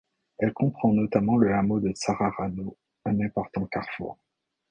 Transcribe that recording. Elle comprend notamment le hameau de Tsararano, un important carrefour.